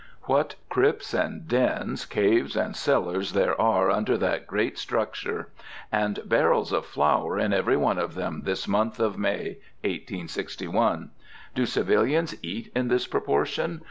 What crypts and dens, caves and cellars there are under that great structure! And barrels of flour in every one of them this month of May, 1861. Do civilians eat in this proportion?